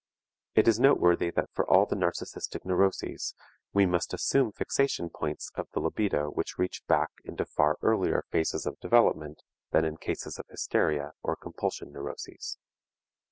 It is noteworthy that for all the narcistic neuroses, we must assume fixation points of the libido which reach back into far earlier phases of development than in cases of hysteria or compulsion neuroses.